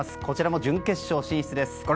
こちらも準決勝進出です。